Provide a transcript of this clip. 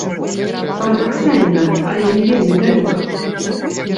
Парадаксальна, але не вельмі далёка.